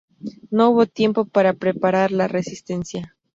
No hubo tiempo para preparar la resistencia.